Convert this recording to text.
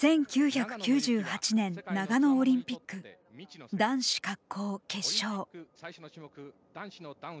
１９９８年、長野オリンピック男子滑降、決勝。